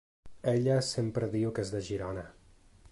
Ella sempre diu que és de Girona.